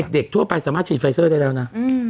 ทั่วไปสามารถฉีดไฟเซอร์ได้แล้วนะ